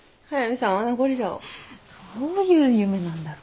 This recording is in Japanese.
どういう夢なんだろ？